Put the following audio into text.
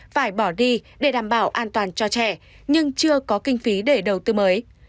phải bỏ đi để đảm bảo an toàn cho trẻ nhưng chưa có kinh phí để đầu tư mới